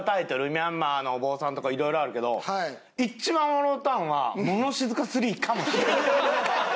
「ミャンマーのお坊さん」とかいろいろあるけど一番笑うたんは「もの静か３」かもしれん。